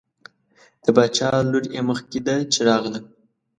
د باچا لور یې مخکې ده چې راغله.